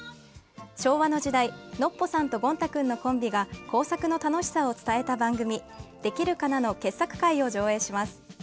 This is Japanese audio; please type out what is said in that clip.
昭和の時代、ノッポさんとゴン太くんのコンビが工作の楽しさを伝えた番組「できるかな」の傑作回を上映します。